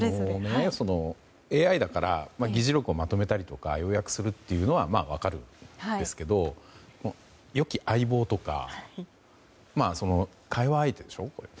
ＡＩだから議事録をまとめたりだとか要約するというのは分かるんですけど良き相棒とか会話相手でしょ、これ。